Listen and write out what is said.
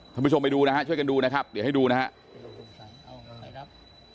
ท่านผู้ชมไปดูนะฮะช่วยกันดูนะครับเดี๋ยวให้ดูนะครับ